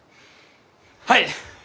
はい！